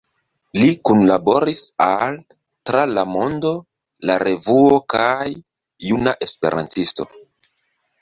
Li kunlaboris al „Tra La Mondo“, „La Revuo“ kaj „Juna Esperantisto“.